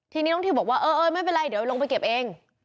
ทีนี้น้องทิวบอกว่าเออไม่เป็นไรเดี๋ยวลงไปเก็บเอง